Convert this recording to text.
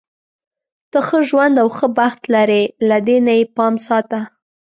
ته ښه ژوند او ښه بخت لری، له دې نه یې پام ساته.